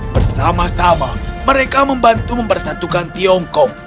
bersama sama mereka membantu mempersatukan tiongkok